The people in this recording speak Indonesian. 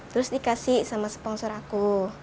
terus dikasih sama sponsor aku